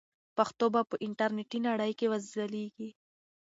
پښتو به په انټرنیټي نړۍ کې وځلیږي.